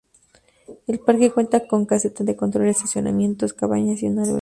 El parque cuenta con caseta de control, estacionamientos, cabañas y un albergue.